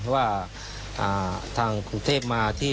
ว่าทางกรุงเทพมาที่